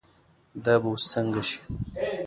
دا به اوس څنګه شي.